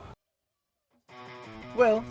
well selamat bertanding lodi dan sasti